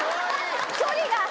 距離が！